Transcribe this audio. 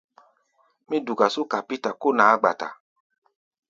Mí duka só kapíta kó naá-gba-ta.